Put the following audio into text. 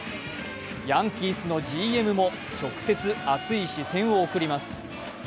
ヤンキースのＧＭも直接、熱い視線を送ります。